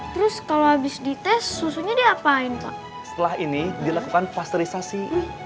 terus kalau habis dites susunya diapain pak setelah ini dilakukan posterisasi